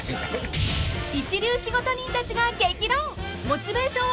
［一流仕事人たちが］